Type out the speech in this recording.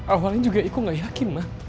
awalnya juga igo gak yakin ma